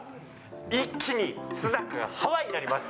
一気に須坂がハワイになりました。